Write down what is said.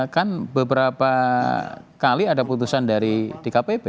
kan beberapa kali ada putusan dari dkpp